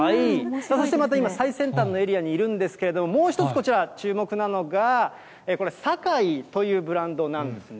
そしてまた今、最先端のエリアにいるんですけれども、もう一つこちら、注目なのが、これ、サカイというブランドなんですね。